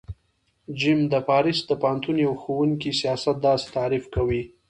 ج : د پاریس د پوهنتون یوه ښوونکی سیاست داسی تعریف کوی